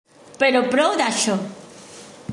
Però prou d'això!